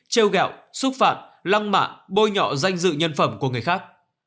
treo gẹo xúc phạm lăng mạ bôi nhọ danh dự nhân phẩm của người khác